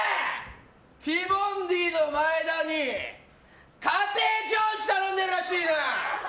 ティモンディの前田に家庭教師、頼んでるらしいな！